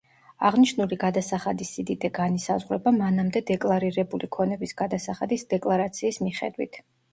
აღნიშნული გადასახადის სიდიდე განისაზღვრება, მანამდე დეკლარირებული ქონების გადასახადის დეკლარაციის მიხედვით.